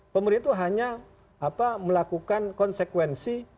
pemerintah itu hanya melakukan konsekuensi